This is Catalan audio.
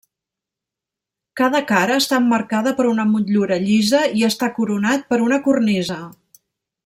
Cada cara està emmarcada per una motllura llisa i està coronat per una cornisa.